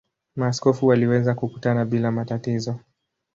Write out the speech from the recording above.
Maaskofu waliweza kukutana bila matatizo.